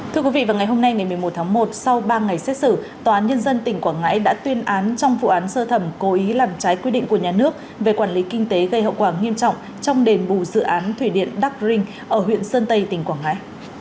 thưa quý vị vào ngày hôm nay ngày một mươi một tháng một sau ba ngày xét xử tòa án nhân dân tỉnh quảng ngãi đã tuyên án trong vụ án sơ thẩm cố ý làm trái quy định của nhà nước về quản lý kinh tế gây hậu quả nghiêm trọng trong đền bù dự án thủy điện đắc rinh ở huyện sơn tây tỉnh quảng ngãi